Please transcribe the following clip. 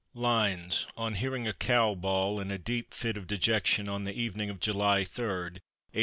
Lines ON HEARING A COW BAWL, IN A DEEP FIT OF DEJECTION, ON THE EVENING OF JULY 3, A.